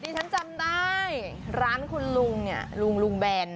ฉันจำได้ร้านคุณลุงเนี่ยลุงลุงแบน